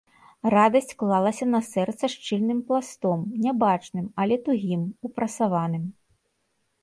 Радасць клалася на сэрца шчыльным пластом, нябачным, але тугім, упрасаваным.